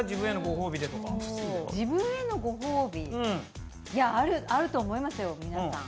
自分へのご褒美あると思いますよ、皆さん。